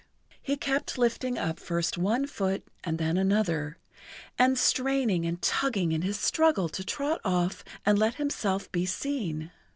He kept lifting up first one foot and then another, and straining and tugging in his struggle to trot off and let himself be seen.